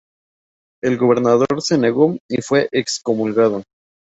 El gobernador se negó y fue excomulgado.